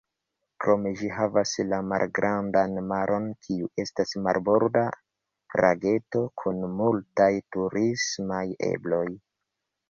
Krome ĝi havas la Malgrandan Maron, kiu estas marborda lageto kun multaj turismaj ebloj.